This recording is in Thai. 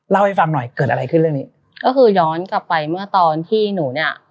เล่าให้ฟังหน่อยเกิดอะไรขึ้นเรื่องนี้ก็คือย้อนกลับไปเมื่อตอนที่หนูเนี้ย